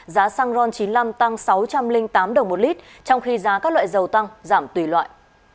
giá xăng ron chín mươi năm tăng sáu trăm linh tám đồng một lít trong khi giá các loại dầu tăng giảm tùy loại